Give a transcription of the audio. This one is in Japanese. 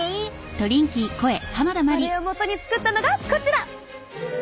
それを基に作ったのがこちら！